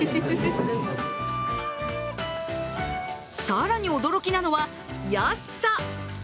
更に驚きなのは、安さ。